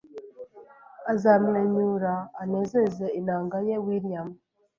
azamwenyura anezeze inanga ye William